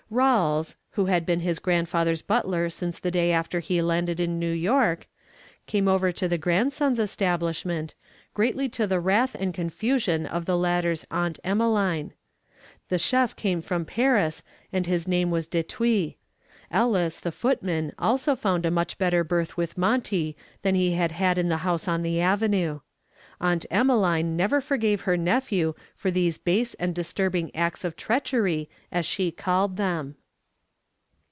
Rawles, who had been his grandfather's butler since the day after he landed in New York, came over to the grandson's establishment, greatly to the wrath and confusion of the latter's Aunt Emmeline. The chef came from Paris and his name was Detuit. Ellis, the footman, also found a much better berth with Monty than he had had in the house on the avenue. Aunt Emmeline never forgave her nephew for these base and disturbing acts of treachery, as she called them.